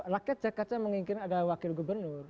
laket cek kaca menginginkan ada wakil gubernur